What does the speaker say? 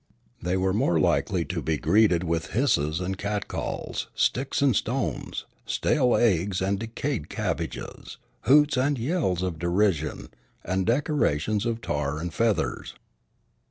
They were more likely to be greeted with hisses and cat calls, sticks and stones, stale eggs and decayed cabbages, hoots and yells of derision, and decorations of tar and feathers.